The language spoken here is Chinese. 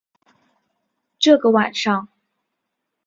这个晚上